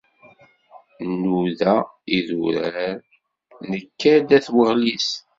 Nnuda idurar, nekka-d at Weɣlis.